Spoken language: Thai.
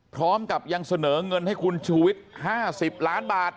พร้อมกับยังเสนอเงินให้คุณชูวิทย์๕๐ล้านบาท